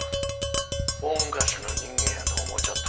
大昔の人間やと思うちょったか？